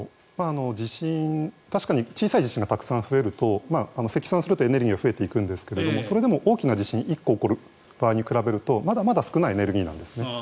確かに小さい地震がたくさん増えると積算するとエネルギーは増えていくんですがそれでも大きな地震が１個起こる場合に比べるとまだまだ少ないエネルギーなんですね。